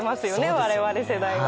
我々世代は。